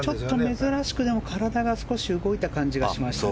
珍しく体が動いた感じがしましたね